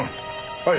はい。